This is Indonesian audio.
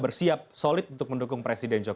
bersiap solid untuk mendukung presiden jokowi